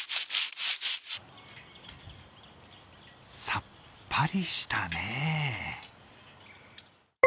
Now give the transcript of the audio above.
さっぱりしたね。